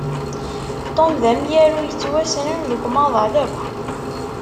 Tom d amyaru yettwassnen deg umaḍal akk.